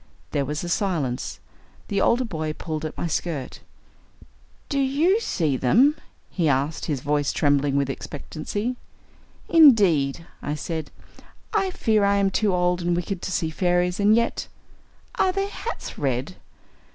There was a silence. The older boy pulled at my skirt. "Do YOU see them?" he asked, his voice trembling with expectancy. "Indeed," I said, "I fear I am too old and wicked to see fairies, and yet are their hats red?"